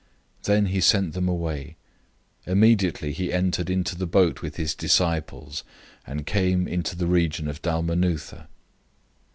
Then he sent them away. 008:010 Immediately he entered into the boat with his disciples, and came into the region of Dalmanutha.